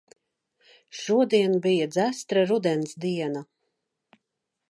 Šodien bija dzestra rudens diena.